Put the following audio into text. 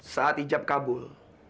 saat ijab kabul